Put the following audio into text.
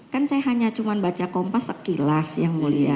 kan saya hanya cuma baca kompas sekilas yang mulia